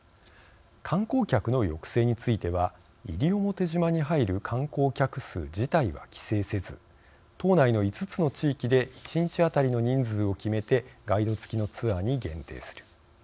観光客の抑制については西表島に入る観光客数自体は規制せず島内の５つの地域で１日当たりの人数を決めてガイド付きのツアーに限定する。